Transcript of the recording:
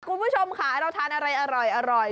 คุณผู้ชมค่ะเราทานอะไรอร่อย